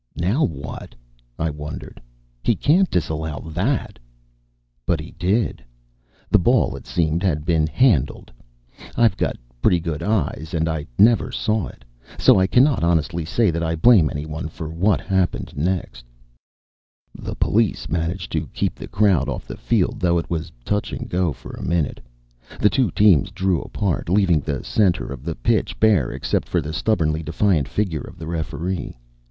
Now what? I wondered. He can't disallow that But he did. The ball, it seemed, had been handled. IVe got pretty good eyes and I never saw it. So I cannot honestly say that I blame anyone for what happened next. The police managed to keep the crowd off the field, though it was touch and go for a minute. The two teams drew apart, leaving the center of the pitch bare except for the stubbornly defiant figure of the referee.